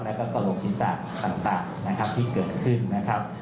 และกฎกศิษย์ศาสตร์ต่างนะครับที่เกิดขึ้นนะครับ